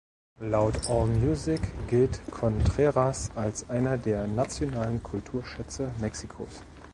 Laut Allmusic gilt Contreras als einer der nationalen Kulturschätze Mexikos.